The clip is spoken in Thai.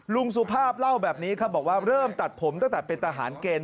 สุภาพเล่าแบบนี้ครับบอกว่าเริ่มตัดผมตั้งแต่เป็นทหารเกณฑ์